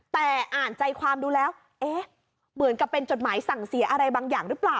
แต่อ่านใจความดูแล้วเอ๊ะเหมือนกับเป็นจดหมายสั่งเสียอะไรบางอย่างหรือเปล่า